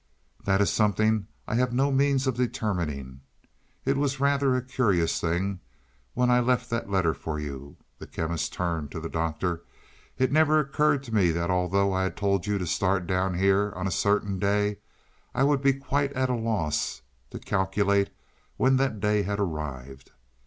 "That is something I have had no means of determining. It was rather a curious thing; when I left that letter for you," the Chemist turned to the Doctor "it never occurred to me that although I had told you to start down here on a certain day, I would be quite at a loss to calculate when that day had arrived.